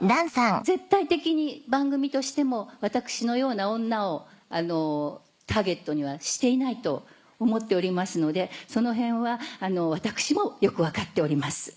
絶対的に番組としても私のような女をターゲットにはしていないと思っておりますのでそのへんは私もよく分かっております。